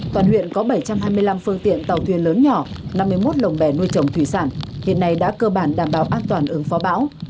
toàn huyện có bảy trăm hai mươi năm phương tiện tàu thuyền lớn nhỏ năm mươi một lồng bè nuôi trồng thủy sản hiện nay đã cơ bản đảm bảo an toàn ứng phó bão